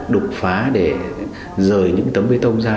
đục phá để rời những tấm bê tông ra